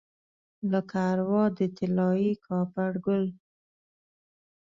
لکه اروا د طلايي کاپرګل